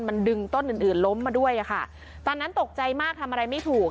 มันดึงต้นอื่นอื่นล้มมาด้วยอะค่ะตอนนั้นตกใจมากทำอะไรไม่ถูก